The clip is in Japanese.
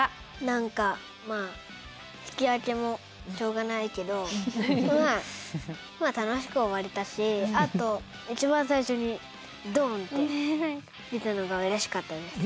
何かまあ引き分けもしょうがないけどまあ楽しく終われたしあと一番最初にドンって出たのがうれしかったです。